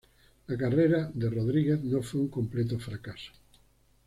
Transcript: La carrera de Rodríguez no fue un completo fracaso.